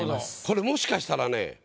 これもしかしたらね